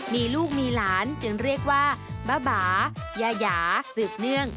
มีลูกมีหลานจึงเรียกว่าบ้าบายายาสืบเนื่อง